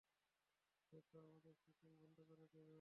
এসে তো আমাদের সুটিং বন্ধ করে দেবে।